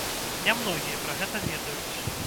Не многія пра гэта ведаюць.